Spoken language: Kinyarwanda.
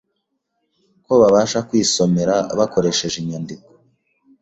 ko babasha kwisomera bakoresheje inyandiko